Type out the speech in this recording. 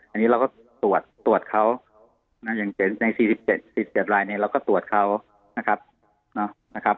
อันนี้เราก็ตรวจตรวจเขาอย่างใน๔๗รายเนี่ยเราก็ตรวจเขานะครับ